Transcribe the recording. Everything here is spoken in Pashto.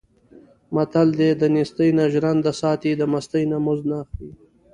متل دی: دنېستۍ نه ژرنده ساتي، د مستۍ نه مزد نه اخلي.